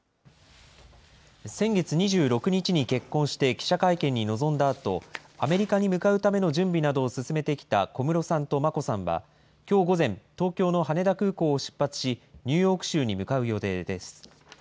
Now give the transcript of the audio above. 先月２６日に結婚して記者会見に臨んだあと、アメリカに向かうための準備などを進めてきた小室さんと眞子さんは、きょう午前、東京の羽田空港を出発し、ニューヨーク州に向かう予定です。